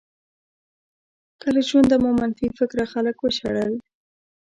که له ژونده مو منفي فکره خلک وشړل.